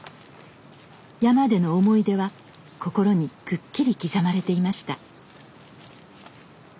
山での思い出は心にくっきり刻まれていました。